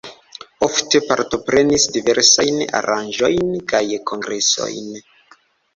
Ofte partoprenis diversajn aranĝojn kaj kongresojn.